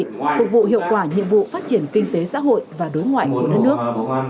phục vụ hiệu quả nhiệm vụ phát triển kinh tế xã hội và đối ngoại của đất nước